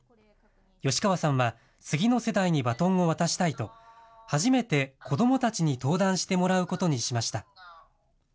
吉川さんは、次の世代にバトンを渡したいと、初めて子どもたちに登壇してもらうことにしました。